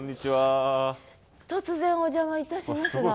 突然お邪魔いたしますが。